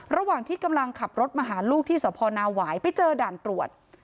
ระหว่างที่กำลังขับรถมาหาลูกที่สพนาหวายไปเจอด่านตรวจ